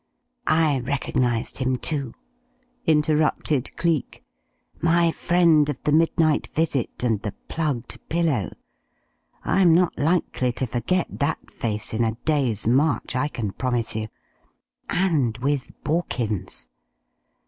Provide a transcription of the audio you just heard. "I recognized him, too," interrupted Cleek. "My friend of the midnight visit, and the plugged pillow. I'm not likely to forget that face in a day's march, I can promise you. And with Borkins!